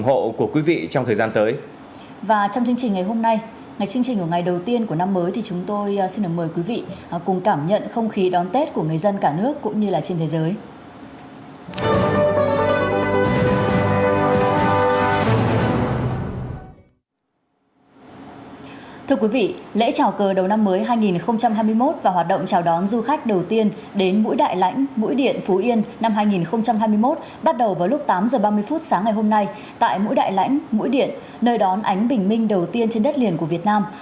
thưa quý vị lễ trào cờ đầu năm mới hai nghìn hai mươi một và hoạt động trào đón du khách đầu tiên đến mũi đại lãnh mũi điện phú yên năm hai nghìn hai mươi một bắt đầu vào lúc tám h ba mươi phút sáng ngày hôm nay tại mũi đại lãnh mũi điện nơi đón ánh bình minh đầu tiên trên đất liền của việt nam